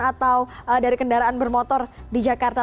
atau dari kendaraan bermotor di jakarta